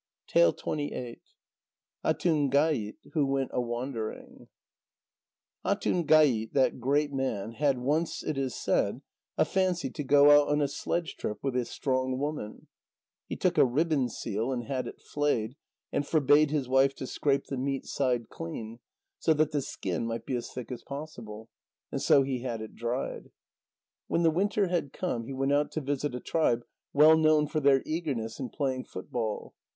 ATUNGAIT, WHO WENT A WANDERING Atungait, that great man, had once, it is said, a fancy to go out on a sledge trip with a strong woman. He took a ribbon seal and had it flayed, and forbade his wife to scrape the meat side clean, so that the skin might be as thick as possible. And so he had it dried. When the winter had come, he went out to visit a tribe well known for their eagerness in playing football.